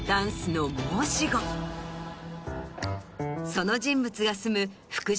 その人物が住む。